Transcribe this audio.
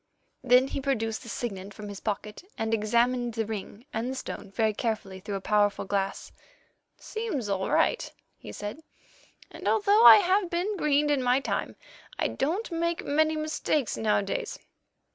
Then he produced the signet from his pocket, and examined the ring and the stone very carefully through a powerful glass. "Seems all right," he said, "and although I have been greened in my time, I don't make many mistakes nowadays.